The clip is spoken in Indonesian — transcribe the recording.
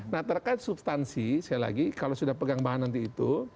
nah terkait substansi saya lagi kalau sudah pegang bahan nanti itu